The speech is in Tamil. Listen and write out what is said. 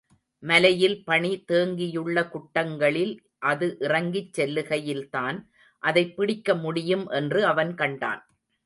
மலையில் பணி தேங்கியுள்ள குட்டங்களில் அது இறங்கிச் செல்லுகையில்தான் அதைப்பிடிக்க முடியும் என்று அவன் கண்டான்.